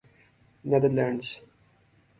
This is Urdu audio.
neither lands